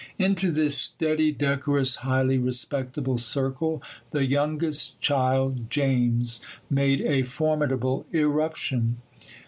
Into this steady, decorous, highly respectable circle, the youngest child, James, made a formidable irruption.